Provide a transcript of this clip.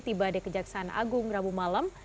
tiba di kejaksaan agung rabu malam